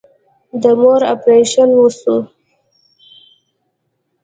د مور اپريشن وسو.